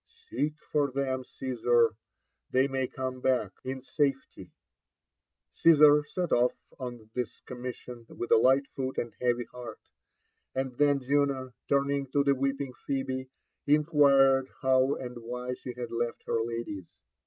— Seek for them, C8asar^ 4hey may come backin safety," Caesar set off oq this oommission with a light foot and heavy heart ; and then Juoo, turning to the weeping Pfaebe, inquired how aod why fhe had left her ladies.